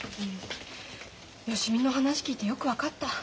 芳美の話聞いてよく分かった。